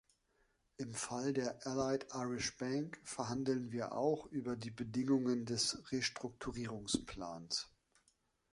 Im Fall der Allied Irish Bank verhandeln wir auch über die Bedingungen des Restrukturierungsplans.